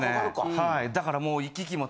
はいだからもう。